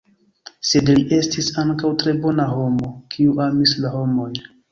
Sed li estis ankaŭ tre bona homo, kiu amis la homojn.